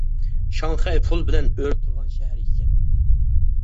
شاڭخەي پۇل بىلەن ئۆرە تۇرغان شەھەر ئىكەن.